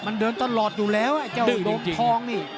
มันเดินตลอดอยู่แล้วไอ้เจ้าโดมทองนี่